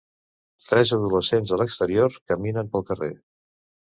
Tres adolescents a l'exterior caminen pel carrer.